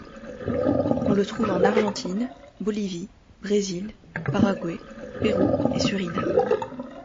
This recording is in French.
On le trouve en Argentine, Bolivie, Brésil, Paraguay, Pérou et Suriname.